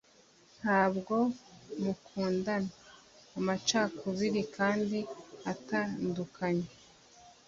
ntabwo mukundana amacakubiri kandi atandukanye